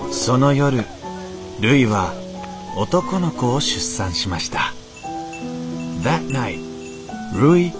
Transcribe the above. その夜るいは男の子を出産しました。